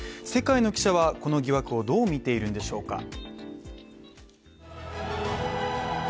世界の記者は、この疑惑をどう見ているんでしょうか。